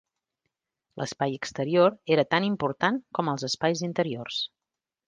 L'espai exterior era tan important com els espais interiors.